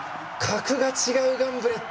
格が違う、ガンブレット。